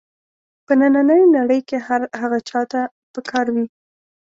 په نننۍ نړۍ کې هر هغه چا ته په کار وي.